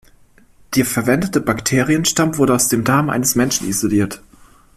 Der verwendete Bakterienstamm wurde aus dem Darm eines Menschen isoliert.